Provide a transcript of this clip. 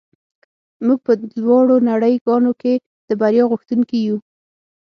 موږ په دواړو نړۍ ګانو کې د بریا غوښتونکي یو